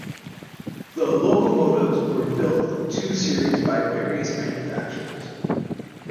The locomotives were built in two series by various manufacturers.